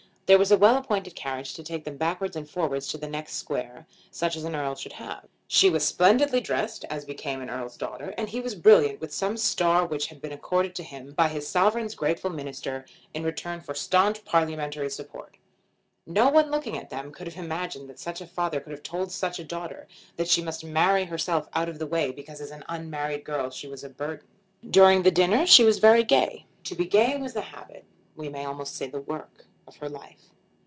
There was a well appointed carriage to take them backwards and forwards to the next square, such as an Earl should have. She was splendidly dressed, as became an Earl's daughter, and he was brilliant with some star which had been accorded to him by his sovereign's grateful minister in return for staunch parliamentary support. No one looking at them could have imagined that such a father could have told such a daughter that she must marry herself out of the way because as an unmarried girl she was a burden. During the dinner she was very gay. To be gay was the habit, we may almost say the work, of her life.